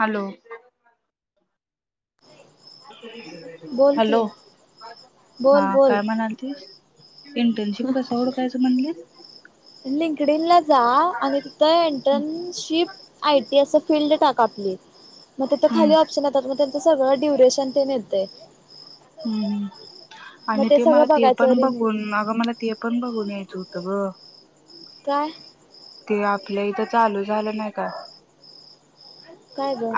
Hello. बोल की hello बोल हा बोल काय म्हणालतीस? इंटर्नशिप कस ओडकायचं म्हणलीस? लिंकडन ला जा आणि तिथ एंटरनशिप आयटी असं फील्ड टाका प्लीज. मग ते तर हम्म खाली प्शन आहे त्या म सगळं ड्युरेशन तेन येतय हम्म आणि ते सगळं मला ते बघायचं पण रिमूव बघून अगं मला ते पण बघून यायचं होत. [unintelligible] काय? ते आपलं इथं चालू झालं नाही का? काय ग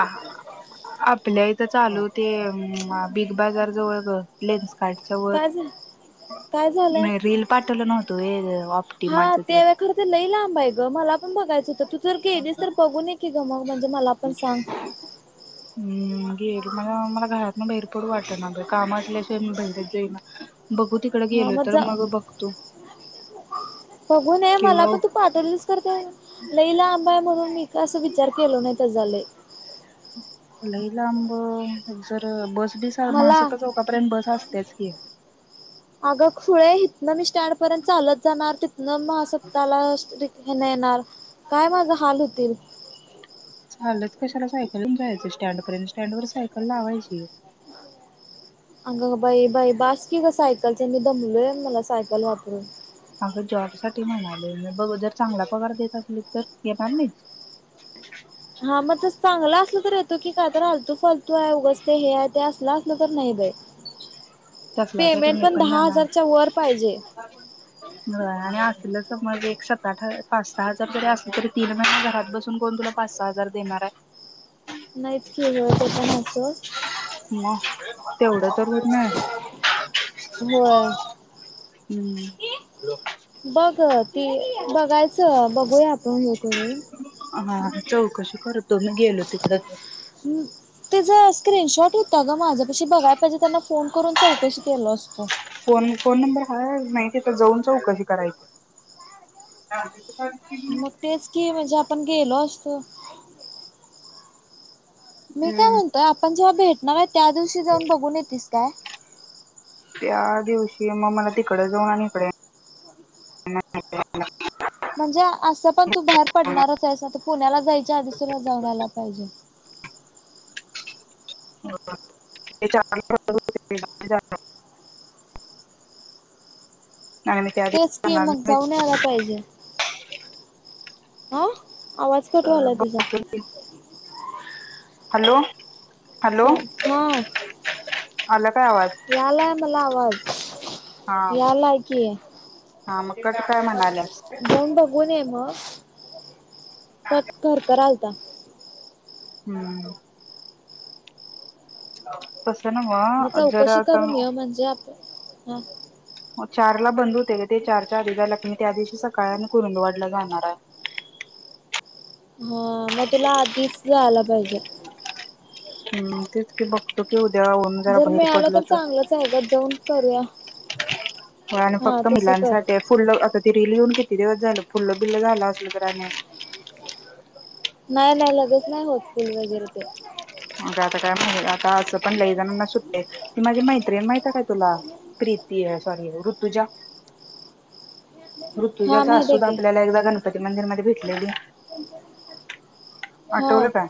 आपल्या इथं चालूते? बिग बाजार जवळ लेनस काच्या व काय झा काय झालंय म रील पाठवलं नव्हत. [unintelligible] हा ते वेखर ते लै लाव बाई गं मला पण बघाचं होतं त. जर गेलीस तर बघू नी ग मग म्हणजे मला पण सांग हम् घेईल मला मला घरातन बैरपडू वाटलं ना काम असल्याशिवाय बाहेर पडता येऊना. बघू तिकड हा गेलो तर जा मग बघतो. बघूनय मला पण किंवा तू पाठवलीस कर का लई लांब हाय म्हणून ं अस विचार केल नाही. त झालय. लांब जर ब मला महासत्त चौका पर्य बस अस त्याच की. अगं खुळे इत ना मिस् ्टड पर्यंत चालत जाणार तिथनं महासत्ताला हे न येणार काय माझ हाल होतील चालत कशाला सायकल घेवुन जायचं स्टँड पर्यंत स्टँड वर सायकल लावायची. अंग बाई-बाई बाासकी ग सायकल मी दमलोय मला सायकल वापरून. अगं जॉब साठी म्हणालोय मी, बघ जर चांगला पगार देत असलीत तर येणार नाहीस. हा मग तसं चांगलं असलं तर येतो की, काय तर हालतू-फालतू आहे, उगाच ते हे हाय ते असलं असल. असल तर नाही बाई. तसल्यासाठी पेमेंट मी पण दहा जाणार, हजारच्या वर पाहिजे आणि असल समज एक सा. पाच-सहा हजार जरी असले तरी तीन महिने घरात बसून कोण तुला पाच-सहा हजार देणार आहे. नाहीच की होय ते पण आहे. स. मग तेवढं तर होत नाही. होय. हम्म. बघ ते बघायचं बघ. हो. कळ कळं. हा चौकशी करत तुमी गेलं तीकडं तेझंस स्क्रीनशॉट होता गं माझं पशी बघाय पाहिेजे फोन करून चौकशी केलो असतो. फोन फोन नंबर हाय मायती तर जाऊन चऊ कशी करायची. मग हम्म तेच की, म्हणजे पण गेलो असतो मी काय म्हणतोय आपण जेवा भेट नव्या त्या दिवशी जाऊन बघूनेतीस काय? त्या दिवशी मग मला तिकडे जाऊन आणि इकडे या म्हणजे असं पण तू बाहेर पडणारचं आहेस पुण्याला जायच्या आधिस सूर जावुनआला पाहिजे की तेच की मग, जाऊन याला पाहिजे आ? आवाज कटवालाय तुझा. हॅलो. स हा. अलग [inaudible] यालाय मला आवाज, हा यालाय कि. हा, मग कट काय म्हणाल्या जाऊन बघून ये मग. खर करालता. हम्. बी मग चौकशी करून ये म्हणजे आपण हा. ग चार ला बंद होते ते चारच्या आधी झा ल क मी त्या दिवशी सकाळ आणि कुरुंदवाडला जाणार आहे. हा मग तुला आधीच जायला पाहिजे. हम्म तेच ते बघतो की होत जर मिळालं तर चांगलंच आहे ग जाऊन करूया. आणि हा फक्त तसं कर. मुलांसाठी रिल येऊन किती दिवस झालं फुल बिल्ल झालं असल तर आणि नाही नाही लगेच नाही होत फूल वगैरे ते. अ आता काय माहि आता असं पण लई जणांना सुट्टते ती माझी मैत्रीण माहित काय तुला प्रीती सॉरी ऋतुजा हा ऋतुजाचा माहित अस आहे सुधा की आपल्याला एकदा गणपती मंदिरमध्ये भेटलेली आठवल काय?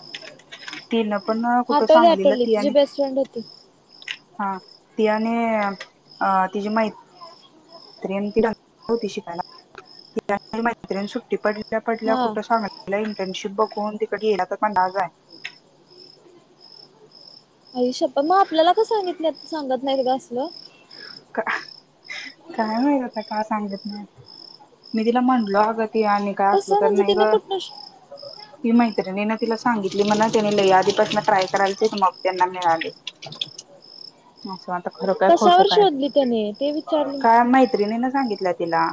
तल आटवली आटवली तुझी बेस्ट फ्रेंड होती. हा तियाने अ तिची माहिती. म्र त शिकायला त मत्र सुट्टी पडली पडल्या हा. कुठं सांग. शुब कोून तिकडे येला तर पण दाजा आहे. आयुष्यपा मग आपल्याला का सांगित सांगत नाही का असलं. का काय माहत आता का सांगत नाही मी तिला म्हणलो अग कसं म्हणजे ति न कुठ न ती मैतना तिला सांगितली म्ह ना त्याने लई आधीपासून ट्राय करायचय मग त्यांना मिळाले असं आता खरं काय खोटं कशावर काय. शोधली त्याने ते विचारले. न सांगितलं तिला.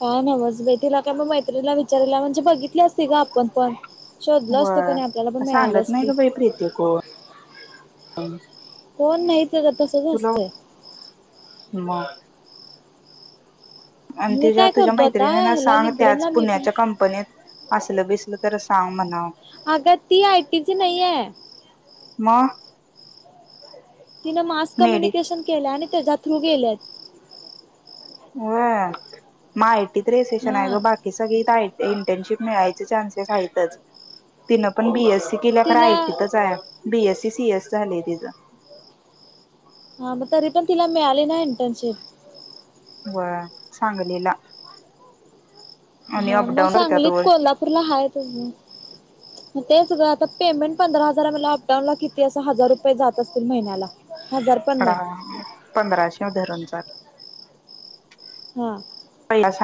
हा नमज भे तिला काय मैत्रीला विचाराला म्हणजे बघित. कली असते का आपण पण शोधल असतो व्हय. कणी आपल्याला पण मिळालंच ते. हा. कोण नहीत. सगळं तसंच असतंय. म. आणि मी तीजा काय तुझ्या करतो आता मैत्रिणीना ह्याला सांग त्याच लिंकडीनला मी पण पुण्याच्या कंपनीत असल बिसल तर सांग म्हणाव. अग ती आयटीची नाही आहे. म. तिन मास कम्युनिकेशन केल्या आणि त्याच्या थ्रू गेल्यात. वय, माह तिथं रे सेशन आहेय हा ग बाकी सगळी इत आय टी इंटर्नशिप मिळायचे चान्सेस आहेतच, तिन पण बीएस केल्या खर तिला आयटीतच आहे. B S C C S झालय तिचं. हा म तरी पण तिला मिळाली ना इंटर्नशिप. होय सांगलीला. आणि हा मग अपडाऊन करत्यात सांगलीत रोज कोल्हापूरला हाय तेज, तेच ग तर पेमेंट पंधरा हजारा मला अपडाऊन ला किती असं हजार रुपये जात असतील महिन्याला. हजार पण हाड नाही हा पंराशे धरून च [unintelligible] हा,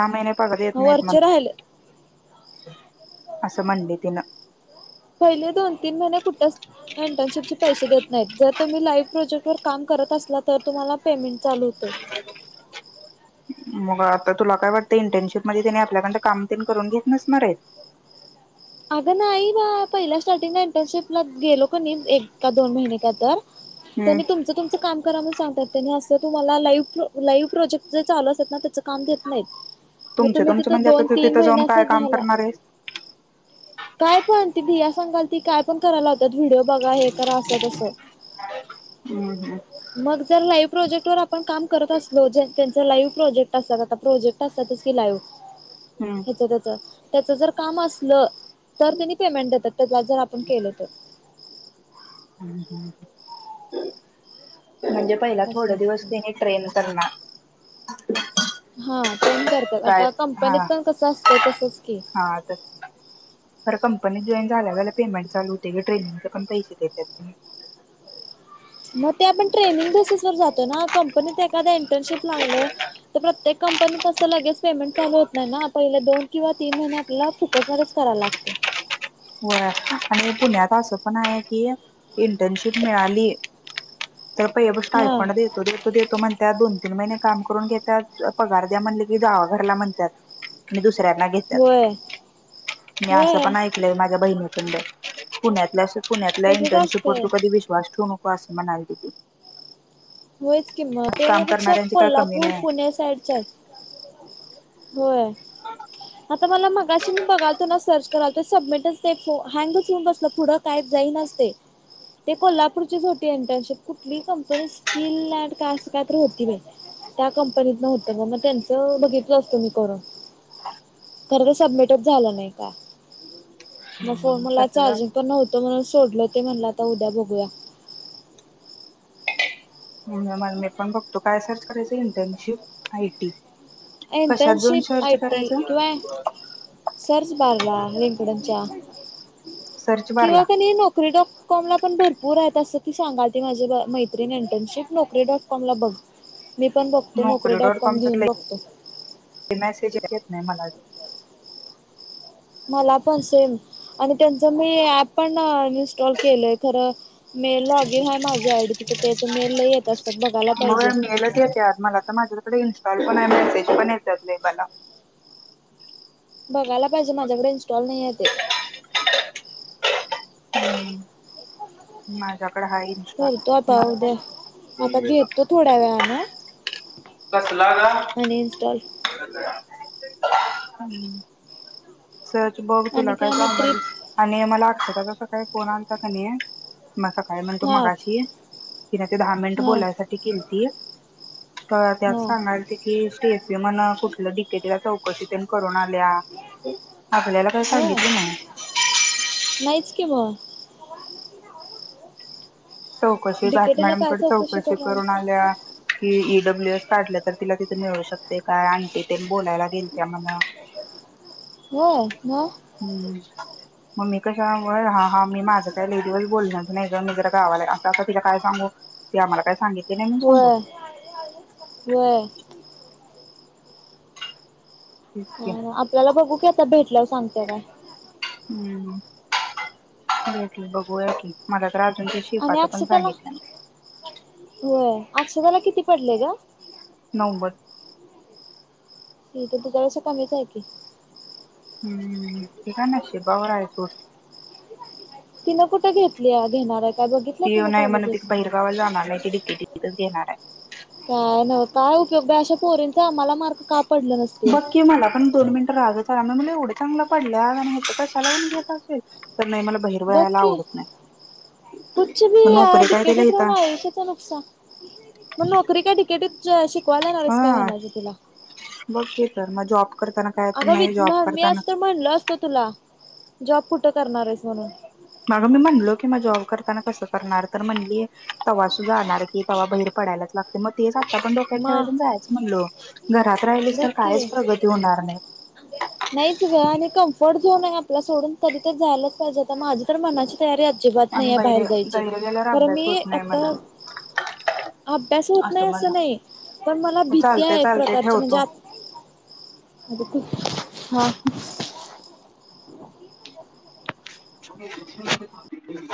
महिने पगार देत नाहीत म्हण वरचे राहिले असं म्हणली तिनं. पहिले दोन तीन महिने कुठेच इंटर्नशिपचे पैसे देत नाहीत जर तुम्ही लाईफ प्रोजेक्ट वर काम करत असला तर तुम्हाला पेमेंट चालू होतय. मग आता तुला काय वाटतय इंटर्नशिप मध्ये त्यानी आपल्याकडन काम तेन करून घेत नसणार आहेत. अग नाही बाळ पहिल्या स्टार्टिंगला इंटर्नशिपला गेलो कणी एक का दोन महिने काय तर हम्म त्यांनी तुमचं तुमचं काम करा म्हणून सांगतात असं तुम्हाला लाईव लाईव्ह प्रोजेक्ट जे चालू असतात ना त्याच काम देत नाहीत. मग तुमच तुम्ही तुमच तिथं म्हणजे आता दोन ति तीन तिथं जाऊन महिने अस काय काम झाला. करणार आहेस? काय पण ती भिया सांगालती काय पण करायला लाव त्यात व्हिडओ बघा हे करा अस तस, हम्म मग जर लाईव्ह प्रोजेक्ट वर आपन का करत असलो ज्य त्यांच लाइव्ह प्रोजेक्ट असतात. आता प्रोजेक्ट असतातच की लाईव्ह. हम्म हेच तेच. त्याच जर काम अस ल. तर त्यांनी पेमेंट देतात. तेज्यात जर आपण केलं तर. हम्म म्हणजे पहिला असं थोडे दिवस असतं तिने ट्रेन करणार. हा ट्रेन करतात काय आता हा कंपनीत पण कसं असतंय तसच की. पण जॉईन झाल्यावर पेमेंट चालू होते की ट्रेनिंगचे पण पैसे देत्यात, मग ते आपण ट्रेनिंग बेसिस वर जातो ना, कंपनीत एखाद्या इंटर्नशिप लागलोय, तर प्रत्येक कंपनीत असं लगेच पेमेंट चालू होत नाही ना, पहिले दोन किंवा तीन महिने आपल्याला फुकट मध्येच करायला लागतय. होय आणि पुण्यात असं पण आहे, कि इंटर्नशिप मिळालीय तर पहिले हा स्टार्टफंड देतो देतो देतो मणत्यात दोन तीन महिने काम करून घेतात, पगार द्या म्हणल की जावा घरला म्हणत्यात. दुसऱ्यांना घेत्यात, होय मी अस होय पण ऐक माझ्या बहिणी पण पुण्यातल्याच पुण्यातल्या तसच इंटर्नशिपवर असतंय तू कधी विश्वास ठेवू नको. [unintelligible] अस म्हणालती ती होयच की मग काम त्यापेक्षा करणाऱ्यांची काय कमी कोल्हापूर नाही पुण्या साईडच्या हाई होय. आता मला माग कशी मी बघाल तो ना सर्च करालतो तर सबमिटच ते फोन हँगच होऊन बसलं पुढं काहीच जाईनाच ते कोल्हापूरची होती इंटर्नशिप कुठलीही कंपनी किल्लाट का असं काय तर होती बाई त्या कंपनीतन होतं मग त्यांचं बघितलं असत मी करून खरं तर सबमिटच झालं नाही का? मग हम्म, फोनला तसंच चार्जिंग पण असतं नव्हतं म्हणून सोडलं ते म्हणला आता उद्या बघूया. मला मी पण बघतो काय सर्च करायचं internship I T. Internship I T किंवा सर्च बारला लिंकडीनच्या सर्च बारला किंवा की नाही नोकरी डॉट कॉम ला पण भरपूर आहेत अस. ती सांगाल, ती माझी मैत्रिणी इंटर्नशिप नोकरी डॉट कॉमला बघ. मी पण बघतो. नोकरी डॉट कॉम घेऊन बघतो. ते मॅसेजच येत नाही मला बी. मला पण सेम आणि त्यांच मी ऍप पण अ इनस्टॉल केलंय खरं मेल लॉग इन आहे माझी आय डी तिथं त्याच मेल येत असतात बघायला मग पाहिजे. कॉल पण नाय, मेसेज पण येत्यात लई बाला बघायला पाहिजे माझ्याकडे इनस्टॉल नाहीयेत. ते माझ्या करतो आता उद्या, आता मम्मीला घेतो थोड्या वेळानं. कसला गं? आणि इन्स्टॉल हम्म. सर्च बघ तुला आणि काय [unintelligible] मग जाणार ट्रिप आणि मला त्याचा कसा काय फोन आलता का नाही. म सकाळी म्हणते हां मगाशी तिन ते दहा मिनिट हां बोलायसाठी केलती. तर त्या हां सांगालते की तेच ये म्हणा कुठल डिकेटीला चौकशी तेन करून आल्या. आपल्याला काय हो सांगितलं नाही. नाहीच कि मग चौकशी घाट डिकेटीला काय मॅडमकडे चौकशी करून करणार आल्या की डब्ल्यू एस काढलं तर तिला तिथ मिळू शकतय काय आंन्टी तेन बोलायला गेलत्याम्हणा. हो म. हम्म म मी कशा व हा हा मी माझं त लई दीवस बोलणच नाही ग मी जरा गावाला असं असता तिला काय सांगू की आम्हाला काय सांगित व्हय व्हय. तेच की ह आपल्याला बघू क त भेटल्यावर सांगत्या काय? हम्म भेटल बघूया की मला तर आज. ते आणि शिफाच पण अक्षताला सांगितलं ना, आक्षदाला किती पडले ग. नव्वद. हि तर तुझ्यापेक्षा कमीच आहे की. हम्म ते काय नशिबावर हाय सोड. तिनं कुठं घेतली घेणार आहे. काय बघितलं ती तिनं नाही म्हण ति कॉलेजेस बाहेरगावाला जाणार हाय [unintelligible] कि ती. ती थिथच घेणार हाय. काय नव काय उपयोग बा अशा पोरींचा आम्हाला मार्क काप बघ की मला पण दोन मिनंट रागत. एवढं चांगलं पडलं इथ [unintelligible] कशाला म्हणून घेत असेल तर नाही म बघ की कुछ भी मग या नोकरी काय तिला डिकेटीत राहून इथं आयुष्यचा नुकसान म नोकरी काय डिकेटी च शिकवायला लावलीस काय हा म्हणाली तिला. बघ की तर म जॉब कर. अग [unintelligible] मी असं तर म्हणल असतो तुला. जॉब कुठं करणार आहेस म्हणे. मॅडमने म्हणल की म जॉब करताना कसं करणार तर म्हणली तेव्हा सुधा जाणार की तेव्हा बहीर पडायलाच लागते मग तेच आता पण डोक्यात म ठेवायच जायचं म्हणलो घरात राहिली बघ तर की कायच प्रगती होणार नाही. ते ना घातला सोडून कधी तर जायलाच पाहिजे तर माझी तर मनाची तयारी अजिबात नाही आणि आहे बाहेर बहिरे जायची बहिरे गेल्यावर कारण अभ्यास मी होत नाही आता म्हणा अभ्यास होत नाही असं नाही पण मला भीती चालते आहे. एक चालते प्रकारची म्हणजे ठेवतो आ हा त